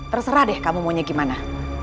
terserah deh kamu mau nya gimana